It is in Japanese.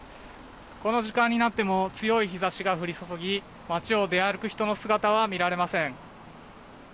この時間になっても強い日差しが降り注ぎ街を出歩く人の姿は見られません。